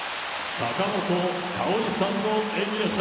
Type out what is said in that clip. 坂本花織さんの演技でした。